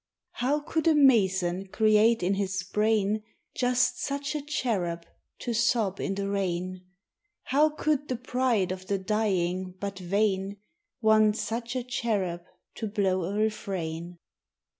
How could a mason create in his brain Just such a cherub to sob in the rain? How could the pride of the dying but vain Want such a cherub to blow a refrain?